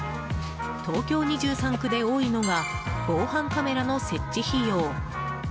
東京２３区で多いのが防犯カメラの設置費用。